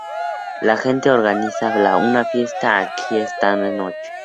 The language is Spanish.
La gente organiza una fiesta aquí esa noche.